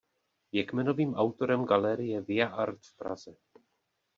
Je kmenovým autorem galerie Via Art v Praze.